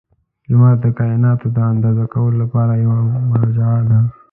• لمر د کایناتو د اندازه کولو لپاره یوه مرجع ده.